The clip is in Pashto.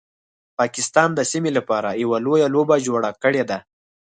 پاکستان د سیمې لپاره یو لویه لوبه جوړه کړیده